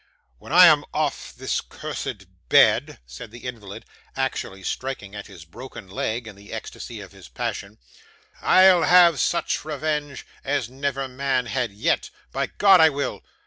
'When I am off this cursed bed,' said the invalid, actually striking at his broken leg in the ecstasy of his passion, 'I'll have such revenge as never man had yet. By God, I will.